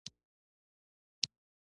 هغوی خورا هوښیار دي